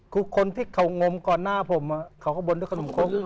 คือคนที่เขางมก่อนหน้าผมเขาก็บนด้วยขนมคก